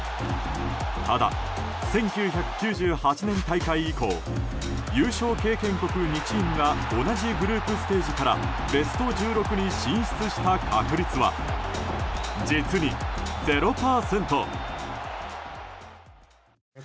ただ、１９９８年大会以降優勝経験国２チームが同じグループステージからベスト１６に進出した確率は実に、０％。